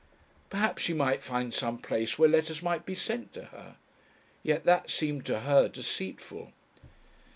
Perhaps she might find some place where letters might be sent to her? Yet that seemed to her deceitful.